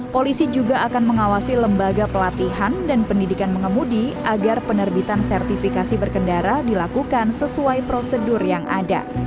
polisi juga akan mengawasi lembaga pelatihan dan pendidikan mengemudi agar penerbitan sertifikasi berkendara dilakukan sesuai prosedur yang ada